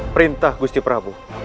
perintah gusti prabu